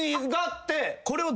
これを。